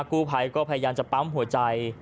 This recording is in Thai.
กู้ภัยก็พยายามจะปั๊มหัวใจ